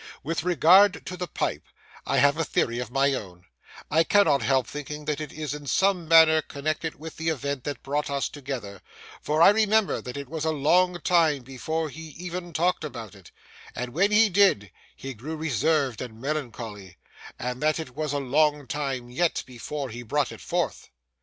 With regard to the pipe, I have a theory of my own; I cannot help thinking that it is in some manner connected with the event that brought us together; for I remember that it was a long time before he even talked about it; that when he did, he grew reserved and melancholy; and that it was a long time yet before he brought it forth.